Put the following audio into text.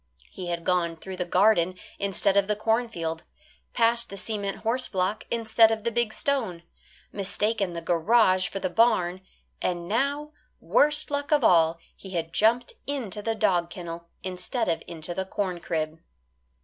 He had gone through the garden instead of the cornfield, past the cement horse block instead of the big stone, mistaken the garage for the barn, and now, worst luck of all, he had jumped into the dog kennel instead of into the corn crib.